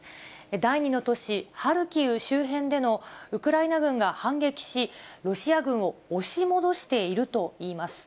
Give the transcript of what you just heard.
第２の都市、ハルキウ周辺でのウクライナ軍が反撃し、ロシア軍を押し戻しているといいます。